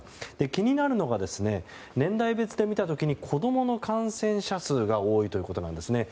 気になるのが、年代別で見た時に子供の感染者数が多いということなんですね。